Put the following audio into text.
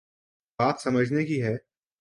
بات سمجھنے کی ہے۔